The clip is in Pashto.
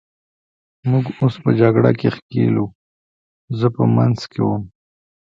موږ اوس په جګړه کې ښکېل وو، زه په منځ کې وم.